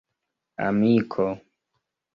amiko